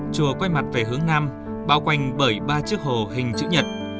chùa quay mặt về hướng nam bao quanh bởi ba chiếc hồ hình chữ nhật